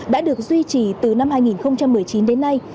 đã được duy trì từ năm hai nghìn một mươi chín đến nay